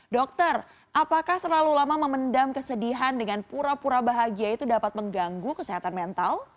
dokter apakah terlalu lama memendam kesedihan dengan pura pura bahagia itu dapat mengganggu kesehatan mental